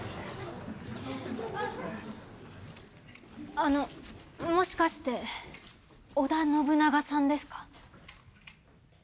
あのもしかして織田信長さんですか？